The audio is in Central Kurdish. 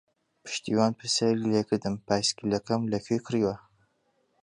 پشتیوان پرسیاری لێ کردم پایسکلەکەم لەکوێ کڕیوە.